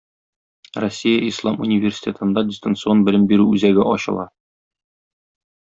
Россия ислам университетында Дистанцион белем бирү үзәге ачыла.